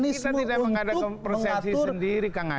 kita tidak mengadakan persepsi sendiri kang ace